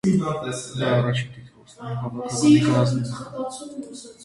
Դա առաջին տիտղոսն էր հավաքականի կազմում։